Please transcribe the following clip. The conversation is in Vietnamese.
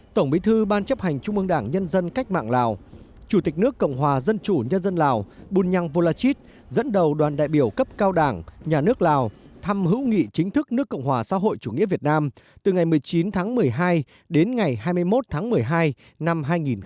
tổng bí thư ban chấp hành trung ương đảng nhân dân cách mạng lào chủ tịch nước cộng hòa dân chủ nhân dân lào bunyang volachit dẫn đầu đoàn đại biểu cấp cao đảng nhà nước lào thăm hữu nghị chính thức nước cộng hòa xã hội chủ nghĩa việt nam từ ngày một mươi chín tháng một mươi hai đến ngày hai mươi một tháng một mươi hai năm hai nghìn một mươi tám